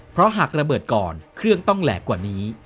เพราะหากระเบิดก่อนเครื่องต้องแหลกกว่านี้